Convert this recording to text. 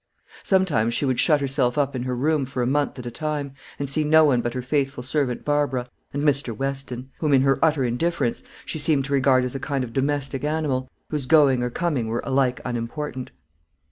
Sometimes she would shut herself up in her room for a month at a time, and see no one but her faithful servant Barbara, and Mr. Weston whom, in her utter indifference, she seemed to regard as a kind of domestic animal, whose going or coming were alike unimportant.